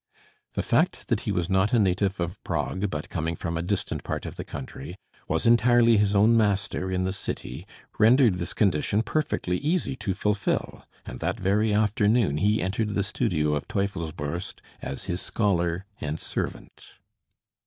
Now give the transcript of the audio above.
The fact that he was not a native of Prague, but coming from a distant part of the country, was entirely his own master in the city, rendered this condition perfectly easy to fulfil; and that very afternoon he entered the studio of Teufelsbürst as his scholar and servant.